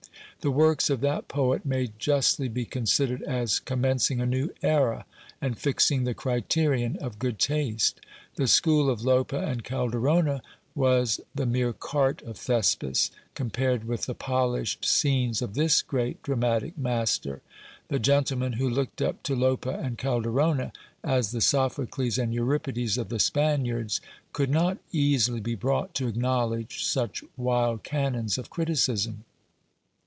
The works of that poet may justly be considered as commencing a new era, and fixing the criterion of good taste. The school of Lope and Calderona was the mere cart of Thespis, compared with the polished scenes of this great dramatic master. The gentle man, who looked up to Lope and Calderona as the Sophocles and Euripides of the Spaniards, could not easily be brought to acknowledge such wild canons of criticism.